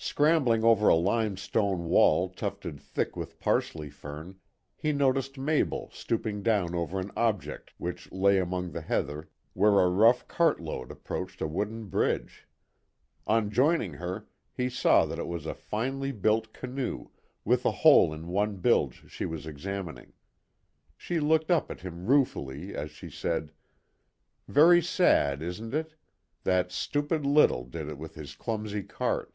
Scrambling over a limestone wall tufted thick with parsley fern, he noticed Mabel stooping down over an object which lay among the heather where a rough cartroad approached a wooden bridge. On joining her, he saw that it was a finely built canoe with a hole in one bilge she was examining. She looked up at him ruefully, as she said, "Very sad, isn't it? That stupid Little did it with his clumsy cart."